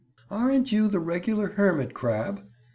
"Aren't you the regular hermit crab?"